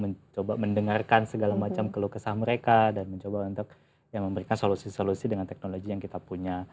mencoba mendengarkan segala macam keluh kesah mereka dan mencoba untuk memberikan solusi solusi dengan teknologi yang kita punya